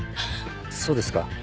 そうですか。